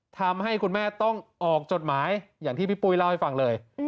ทำให้คุณแม่ต้องออกจดหมายอย่างที่พี่ปุ้ยเล่าให้ฟังเลย